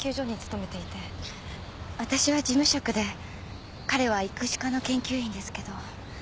私は事務職で彼は育種科の研究員ですけど。